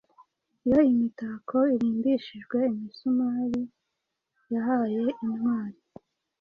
Iyo imitako irimbishijwe imisumari yahaye intwari